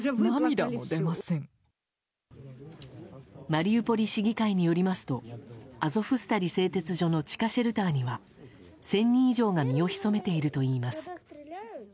マリウポリ市議会によりますとアゾフスタリ製鉄所の地下シェルターには１０００人以上が身を潜めているといいます。